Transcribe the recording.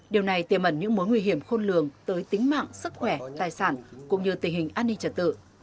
điều này tiềm ẩn những mối nguy hiểm khôn lường tới tính mạng sức khỏe tài sản cũng như tình hình an ninh trật tự